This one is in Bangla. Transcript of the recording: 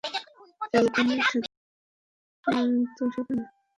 ফ্যালকোনের সাথে দেখা হত সেখানে।